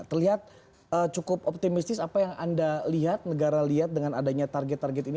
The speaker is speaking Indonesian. terlihat cukup optimistis apa yang anda lihat negara lihat dengan adanya target target ini